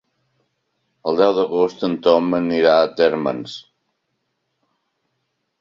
El deu d'agost en Tom anirà a Térmens.